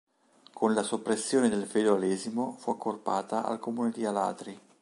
Con la soppressione del feudalesimo fu accorpata al comune di Alatri.